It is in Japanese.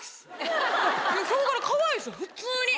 ヒョウ柄かわいいっす普通に。